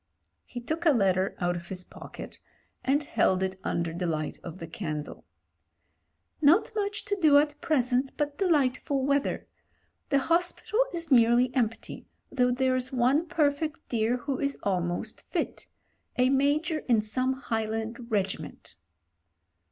He took a letter out of his pocket and held it under the light of the candle. " 'Not much to do at present, but delightful weather. The hospital is nearly empty, though there's one perfect dear who is almost fit — a Major in some Highland regiment.'